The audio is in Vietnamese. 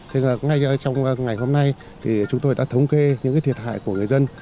thế là ngay trong ngày hôm nay thì chúng tôi đã thống kê những thiệt hại của người dân